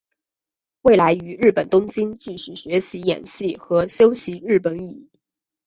未来于日本东京继续学习演戏和修习日本语。